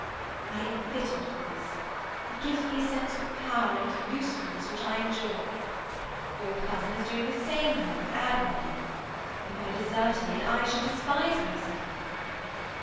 I am fitted for this. It gives me a sense of power and usefulness which I enjoy. Your cousin is doing the same work admirably. If I deserted I should despise myself."